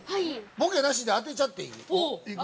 ボケなしで当てちゃっていいい？◆行く？